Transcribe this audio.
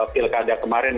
pilkada kemarin ya